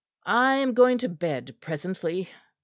"I am going to bed presently.